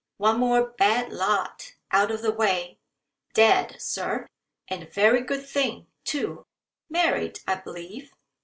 One more bad lot out of the way. Dead, Sir, and a very good thing, too. Married, I believe.